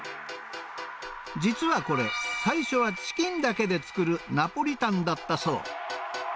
実はこれ、最初はチキンだけで作るナポリタンだったそう。